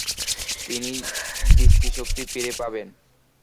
তিনি দৃষ্টিশক্তি ফিরে পাবেন।